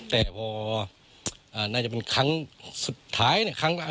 แต่พอน่าจะเป็นครั้งสุดท้ายครั้ง